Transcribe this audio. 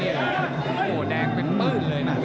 โอ้โหแดงเป็นปื้นเลยนะ